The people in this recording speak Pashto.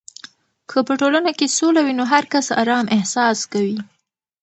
که په ټولنه کې سوله وي، نو هر کس آرام احساس کوي.